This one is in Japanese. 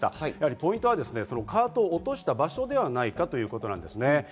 ポイントはカートを落とした場所ではないかといいます。